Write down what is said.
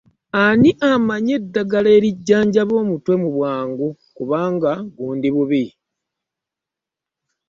Ani amanyi eddagala erijjanjaba omutwe mu bwangu kubanga gundi bubi?